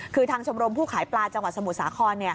คือทางชมรมผู้ขายปลาจังหวัดสมุทรสาคร